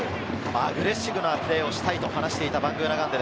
アグレッシブなプレーをしたいと話していたバングーナガンデ。